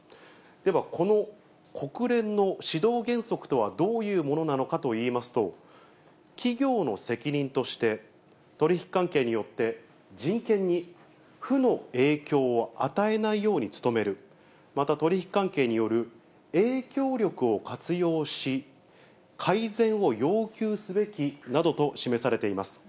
では、この国連の指導原則とはどういうものなのかといいますと、企業の責任として、取り引き関係によって人権に負の影響を与えないように努める、また取り引き関係による影響力を活用し、改善を要求すべきなどと示されています。